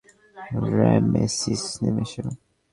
Ramesses, নেমে এসো!